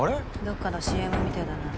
どっかのＣＭみてぇだな。